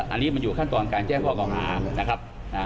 อันนี้มันอยู่ขั้นตอนการแจ้งข้อเก่าหานะครับ